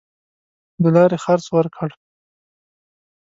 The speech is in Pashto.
د لاري خرڅ ورکړ.